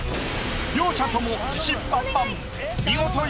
両者とも自信満々。